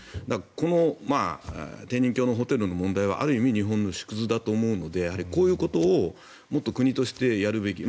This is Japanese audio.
この天人峡のホテルの問題はある意味日本の縮図だと思うのでこういうことをもっと国としてやるべき。